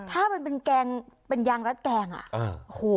ถ้ามันเป็นแกงเป็นยางรัดแกงอ่ะโอ้โห